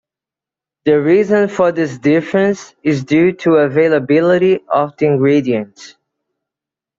The reason for this difference is due to availability of the ingredients.